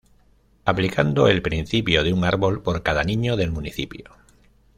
Aplicando el principio de un árbol por cada niño del municipio.